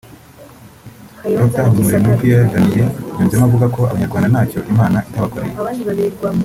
Dr Habumuremyi Pierre Damien yunzemo avuga ko Abanyarwanda ntacyo Imana itabakoreye